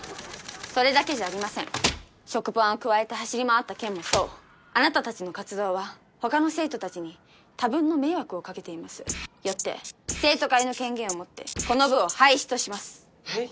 それだけじゃありません食パンをくわえて走り回った件もそうあなたたちの活動はほかの生徒たちに多分の迷惑をかけていますよって生徒会の権限をもってこの部を廃止としますえっ？